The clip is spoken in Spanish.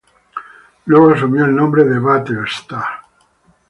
Luego asumió el nombre de "Battlestar".